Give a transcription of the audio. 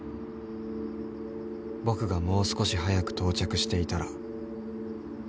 ［僕がもう少し早く到着していたら］